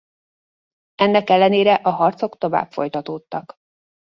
Ennek ellenére a harcok tovább folytatódtak.